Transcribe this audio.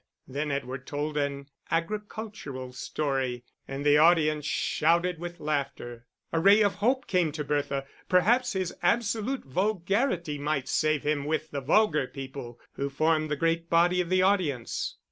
Then Edward told an agricultural story, and the audience shouted with laughter. A ray of hope came to Bertha: perhaps his absolute vulgarity might save him with the vulgar people who formed the great body of the audience.